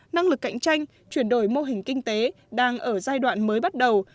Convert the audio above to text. năng lực cạnh tranh chuyển đổi mô hình kinh tế đang ở giai đoạn mới bắt đầu